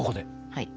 はい。